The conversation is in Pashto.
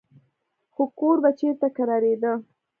خو کوربه چېرته کرارېده.